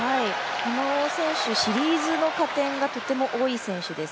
この選手シリーズの加点がとても多い選手です。